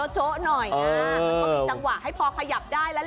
โจ๊ะโจ๊ะหน่อยน่ะเออมันก็มีจังหวะให้พอขยับได้แล้ว